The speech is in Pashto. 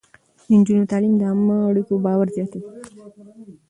د نجونو تعليم د عامه اړيکو باور زياتوي.